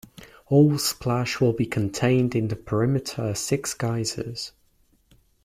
All splash will be contained in the perimeter six geysers.